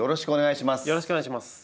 よろしくお願いします！